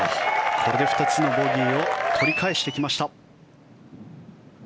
これで２つのボギーを取り返してきました。